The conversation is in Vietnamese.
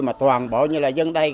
mà toàn bộ như là dân đây